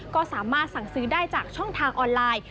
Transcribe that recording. ก็สามารถสั่งซื้อได้จากช่องทางออนไลน์